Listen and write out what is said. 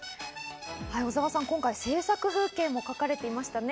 今回制作風景も描かれていましたね。